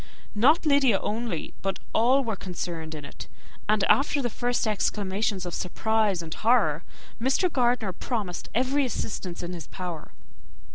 Not Lydia only, but all were concerned in it; and after the first exclamations of surprise and horror, Mr. Gardiner readily promised every assistance in his power.